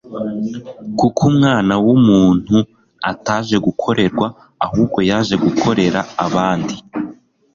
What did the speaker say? «Kuko Umwana w'umuntu ataje gukorerwa ahubwo yaje gukorera abandi,